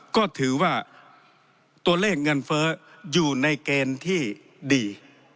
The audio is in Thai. ก็ถือว่าตัวเลขเงินเฟ้ออยู่ในเกณฑ์ที่ดี